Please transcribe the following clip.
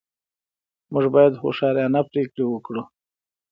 موږ باید هوښیارانه پرېکړې وکړو.